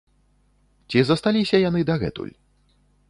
Ці засталіся яны дагэтуль?